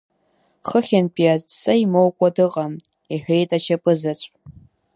Хыхьынтәи адҵа имоукәа дыҟам, — иҳәеит ашьапызаҵә.